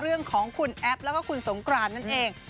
เรื่องของคุณแอปแล้วก็คุณสงกรานนั่นเอง